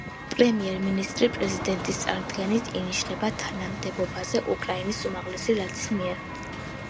პრემიერ-მინისტრი პრეზიდენტის წარდგენით, ინიშნება თანამდებობაზე უკრაინის უმაღლესი რადის მიერ.